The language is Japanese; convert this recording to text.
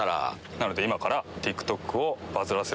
なので今から。